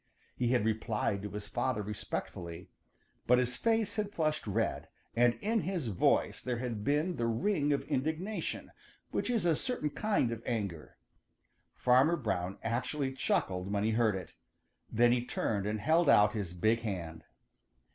He had replied to his father respectfully, but his face had flushed red and in his voice there had been the ring of indignation, which is a certain kind of anger. Farmer Brown actually chuckled when he heard it. Then he turned and held out his big hand.